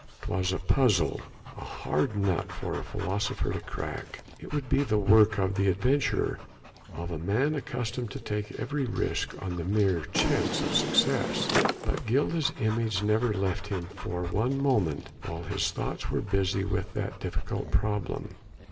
'Twas a puzzle, a hard nut for a philosopher to crack. It would be the work of an adventurer, of a man accustomed to take every risk on the mere chance of success. But Gilda's image never left him for one moment while his thoughts were busy with that difficult problem.